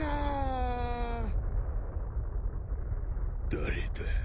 誰だ？